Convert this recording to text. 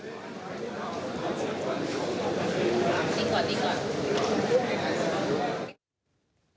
สวัสดี